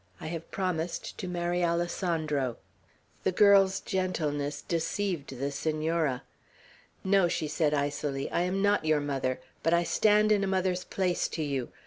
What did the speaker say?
I have promised to marry Alessandro." The girl's gentleness deceived the Senora. "No," she said icily, "I am not your mother; but I stand in a mother's place to you.